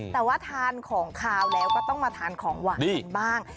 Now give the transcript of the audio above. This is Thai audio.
แต่ว่าทานของขาวแล้วก็ต้องมาทานของหวานกันบ้าง